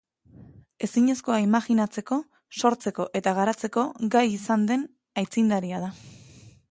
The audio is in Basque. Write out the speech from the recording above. Ezinezkoa imajinatzeko, sortzeko eta garatzeko gai izan den aitzindaria da.